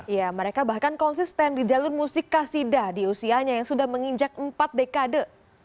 ya mereka bahkan konsisten di jalur musik kasidah di usianya yang sudah menginjak empat dekade